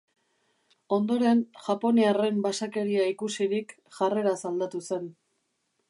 Ondoren, japoniarren basakeria ikusirik, jarreraz aldatu zen.